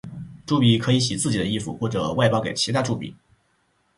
朱比可以洗自己的衣服或外包给其他朱比。